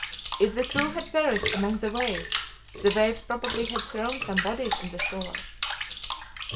If the crew had perished among the waves, the waves probably had thrown some bodies on the shore.